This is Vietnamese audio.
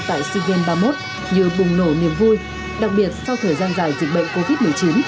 tại sea games ba mươi một như bùng nổ niềm vui đặc biệt sau thời gian dài dịch bệnh covid một mươi chín